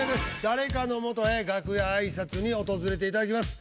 誰かのもとへ楽屋挨拶に訪れていただきます。